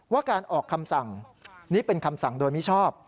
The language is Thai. ว่าการออกคำสั่งนี้เป็นคำสั่งโดยมิชอบ